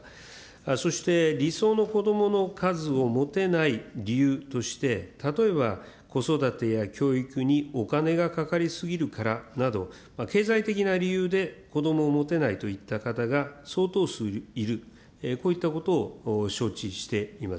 そして理想のこどもの数を持てない理由として、例えば、子育てや教育にお金がかかり過ぎるからなど、経済的な理由でこどもを持てないといった方が、相当数いる、こういったことを承知しています。